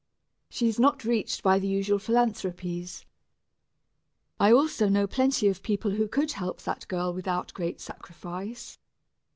She is not reached by the usual philanthropies. I also know plenty of people who could help that girl without great sacrifice.